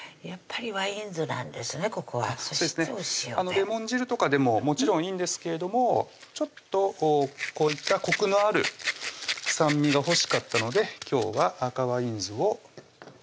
レモン汁とかでももちろんいいんですけれどもちょっとこういったコクのある酸味が欲しかったので今日は赤ワイン酢を加えております